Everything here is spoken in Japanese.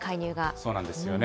そうなんですよね。